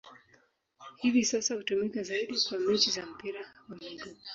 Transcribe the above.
Hivi sasa hutumika zaidi kwa mechi za mpira wa miguu.